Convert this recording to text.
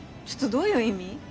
ちょっとどういう意味？